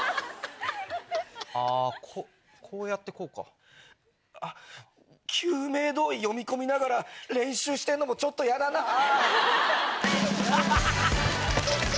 あこうやってこうか。救命胴衣読み込みながら練習してんのもちょっと嫌だなぁ。